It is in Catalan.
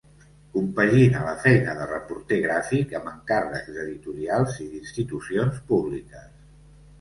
Compagina la feina de reporter gràfic amb encàrrecs d'editorials i d'institucions públiques.